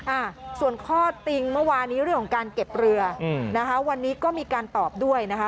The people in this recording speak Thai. อ่าส่วนข้อติงเมื่อวานี้เรื่องของการเก็บเรืออืมนะคะวันนี้ก็มีการตอบด้วยนะคะ